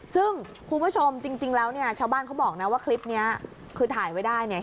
ซึ่งคุณผู้ชมจริงแล้วเนี่ยชาวบ้านเขาบอกนะว่าคลิปนี้คือถ่ายไว้ได้เนี่ย